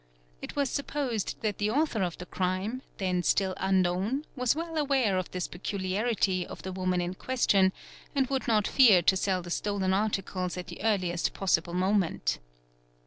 It | 'was supposed that the author of the crime, then still unknown, was well aware of this peculiarity of the woman in question, and would not fear to sell the stolen articles at the earliest possible moment.